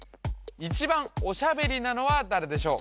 １番おしゃべりなのは誰でしょう？